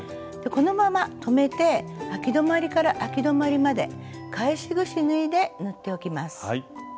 このまま留めてあき止まりからあき止まりまで返しぐし縫いで縫っておきます。